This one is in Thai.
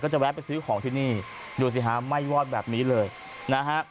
จะแวะไปซื้อของที่นี่ดูสิฮะไหม้วอดแบบนี้เลยนะฮะ